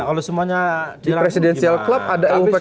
kalau semuanya di presidential club ada euptu